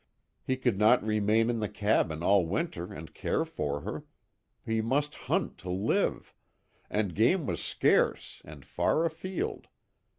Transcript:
He could not remain in the cabin all winter and care for her he must hunt to live and game was scarce and far afield.